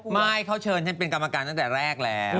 ไม่เขาเชิญให้เป็นกรรมการตั้งแต่แรกแล้ว